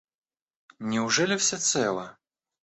— Неужели все целы?